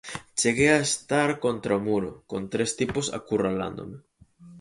Cheguei a estar contra o muro, con tres tipos acurralándome.